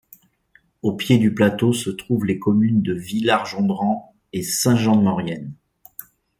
Au pied du plateau se trouvent les communes de Villargondran et Saint-Jean-de-Maurienne.